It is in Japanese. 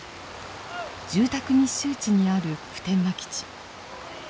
住宅密集地にある普天間基地。